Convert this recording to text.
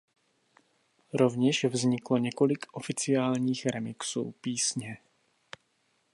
Rovněž vzniklo několik oficiálních remixů písně.